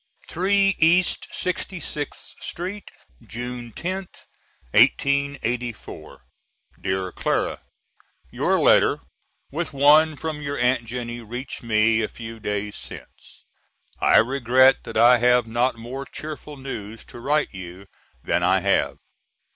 3 East 66th Street, June 10th, '84. DEAR CLARA: Your letter, with one from your Aunt Jennie, reached me a few days since. I regret that I have not more cheerful news to write you than I have.